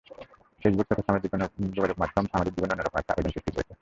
Facebook তথা সামাজিক যোগাযোগমাধ্যম আমাদের জীবনে অন্য রকম একটা আবেদন সৃষ্টি করেছে।